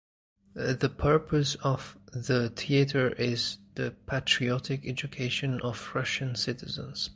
The purpose of the theatre is the patriotic education of Russian citizens.